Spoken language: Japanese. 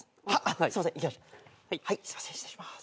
すいません失礼します。